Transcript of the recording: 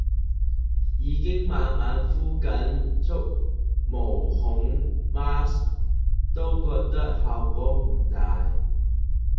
已經晚晚敷緊縮毛孔 mask 都覺得效果唔大